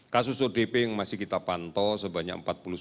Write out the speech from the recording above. kasus odp yang masih kita pantau sebanyak empat puluh sembilan dua ratus dua belas